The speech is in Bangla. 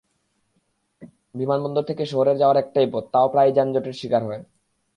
বিমানবন্দর থেকে শহরে যাওয়ার একটাই পথ, তাও প্রায়ই যানজটের শিকার হয়।